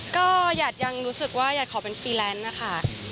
ก็อยากยังรู้สึกว่าอยากขอเป็นฟรีแลนซ์นะคะ